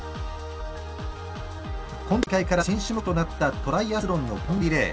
今大会から新種目となったトライアスロンの混合リレー。